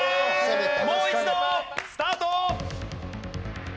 もう一度スタート。